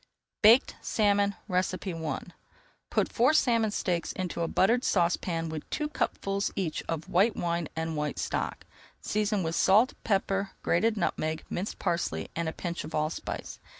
BAKED SALMON I Put four salmon steaks into a buttered saucepan with two cupfuls each of white wine and white stock. Season with salt, pepper, grated nutmeg, minced parsley, and a pinch of allspice.